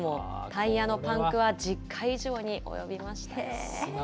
タイヤのパンクは１０回以上に及びました。